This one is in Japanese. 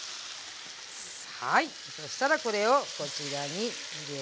はいそしたらこれをこちらに入れてあげて。